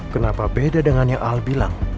kenapa beda dengan yang al bilang